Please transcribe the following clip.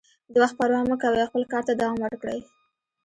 د وخت پروا مه کوئ او خپل کار ته دوام ورکړئ.